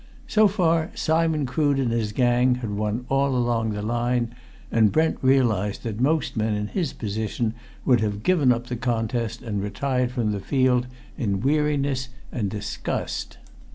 So far, Simon Crood and his gang had won all along the line, and Brent realized that most men in his position would have given up the contest and retired from the field in weariness and disgust.